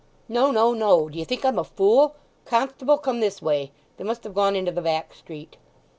"No, no, no—d'ye think I'm a fool? Constable, come this way. They must have gone into the back street."